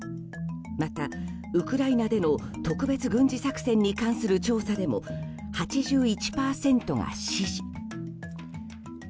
また、ウクライナでの特別軍事作戦に関する調査でも８１％が支持。